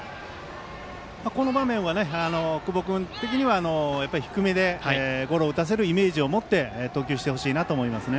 この場面は久保君的には低めでゴロを打たせるイメージを持って投球してほしいと思いますね。